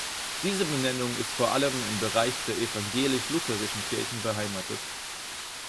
Diese Benennung ist vor allem im Bereich der evangelisch-lutherischen Kirchen beheimatet.